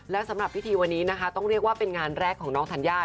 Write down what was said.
และสำหรับพิธีวันนี้นะคะต้องเรียกว่าเป็นงานแรกของน้องธัญญา